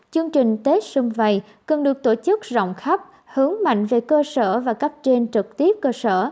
chương trình tết xung vầy cần được tổ chức rộng khắp hướng mạnh về cơ sở và cấp trên trực tiếp cơ sở